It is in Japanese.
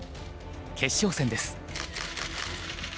決勝戦です。